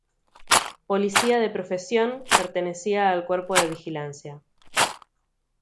Policía de profesión, pertenecía al Cuerpo de Vigilancia.